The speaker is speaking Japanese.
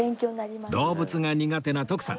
動物が苦手な徳さん